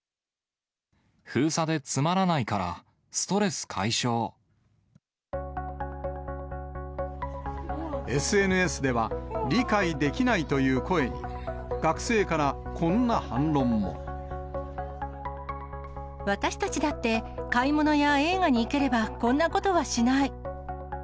封鎖でつまらないから、ＳＮＳでは、理解できないと私たちだって、買い物や映画に行ければ、こんなことはしない。